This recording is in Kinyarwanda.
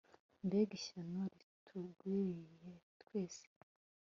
mbega ishyano ritugwiriye twese